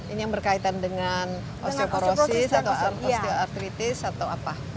ini yang berkaitan dengan osteoporosis atau osteoartritis atau apa